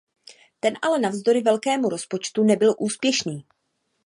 Ten ale navzdory velkému rozpočtu nebyl úspěšný.